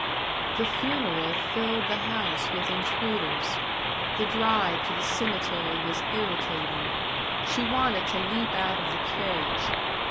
The funeral filled the house with intruders. The drive to the cemetery was irritating. She wanted to leap out of the carriage.